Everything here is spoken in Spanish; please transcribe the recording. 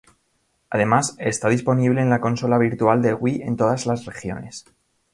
Además, está disponible en la consola virtual de Wii en todas las regiones.